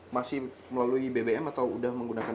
masih melalui bbm atau sudah menggunakan